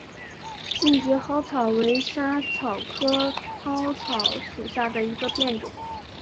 近蕨嵩草为莎草科嵩草属下的一个变种。